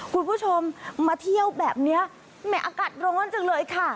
คุณผู้ชมมาเที่ยวแบบนี้แหม่อากาศร้อนจังเลยค่ะ